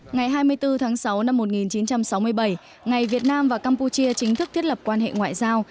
ngày hai mươi bốn tháng sáu năm một nghìn chín trăm sáu mươi bảy ngày việt nam và campuchia chính thức thiết lập quan hệ ngoại giao